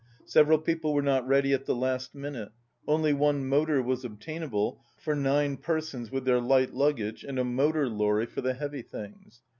Several people were not ready at the last minute. Only one motor was obtainable for nine persons with their light lug gage, and a motor lorry for the heavy things.